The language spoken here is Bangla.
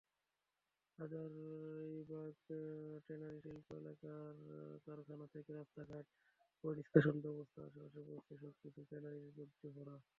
হাজারীবাগ ট্যানারিশিল্প এলাকার কারখানা থেকে রাস্তাঘাট, পয়োনিষ্কাশন-ব্যবস্থা, আশপাশের বস্তি—সবকিছুই ট্যানারির বর্জ্যে ভরা।